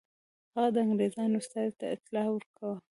هغه د انګرېزانو استازي ته اطلاع ورکړه.